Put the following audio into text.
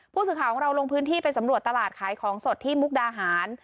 ผู้สื่อข่าวของเราลงพื้นที่ไปสำรวจตลาดขายของสดที่มุกดาหาร